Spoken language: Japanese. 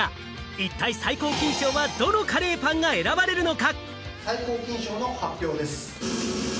一体、最高金賞はどのカレーパンが選ばれるのか？